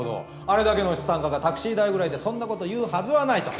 あれだけの資産家がタクシー代ぐらいでそんなこと言うはずはないと。